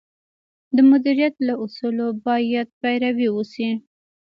د مدیریت له اصولو باید پیروي وشي.